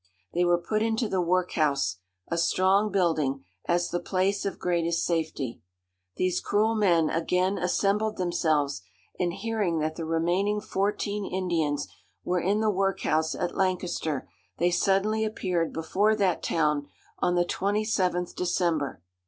They were put into the workhouse, a strong building, as the place of greatest safety. These cruel men again assembled themselves; and hearing that the remaining fourteen Indians were in the workhouse at Lancaster, they suddenly appeared before that town on the 27th December.